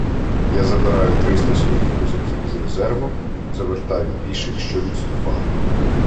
Я забираю триста своїх козаків із резерву, завертаю піших, що відступали.